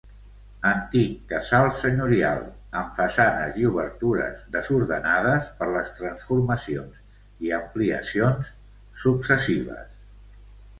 Antic casal senyorial, amb façanes i obertures desordenades per les transformacions i ampliacions successives.